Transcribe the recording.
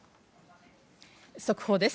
速報です。